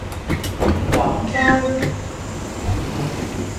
廣州